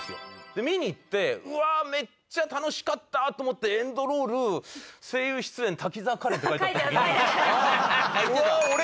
で見に行って「うわあめっちゃ楽しかった」と思ってエンドロール「声優出演滝沢カレン」って書いてあった時に。